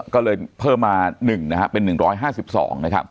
ก็เลยเพิ่มมา๑นะครับเป็น๑๕๒นะครับ